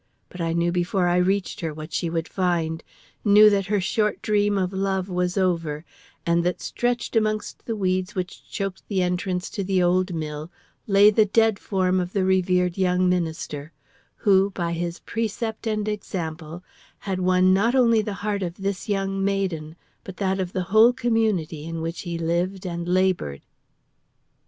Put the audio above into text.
But I knew before I reached her what she would find; knew that her short dream of love was over, and that stretched amongst the weeds which choked the entrance to the old mill lay the dead form of the revered young minister, who, by his precept and example, had won not only the heart of this young maiden, but that of the whole community in which he lived and labored.